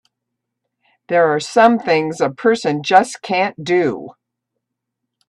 There are some things a person just can't do!